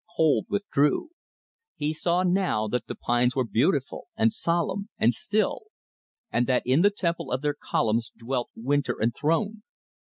Cold withdrew. He saw now that the pines were beautiful and solemn and still; and that in the temple of their columns dwelt winter enthroned.